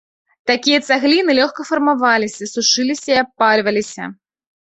Такія цагліны лёгка фармаваліся, сушыліся і абпальваліся.